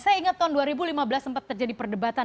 saya ingat tahun dua ribu lima belas sempat terjadi perdebatan